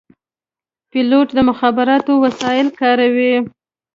پیلوټ د مخابراتو وسایل کاروي.